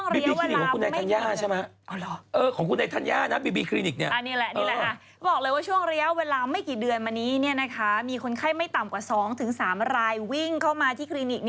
เราเปิดเผยว่าช่วงเรียวเวลาไม่กี่เดือนมานี้มีคนไข้ไม่ต่ำกว่า๒๓รายวิ่งเข้ามาที่คลินิก